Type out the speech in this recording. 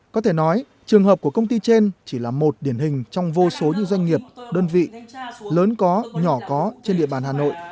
có thể nói trường hợp của công ty trên chỉ là một điển hình trong vô số những doanh nghiệp đơn vị lớn có nhỏ có trên địa bàn hà nội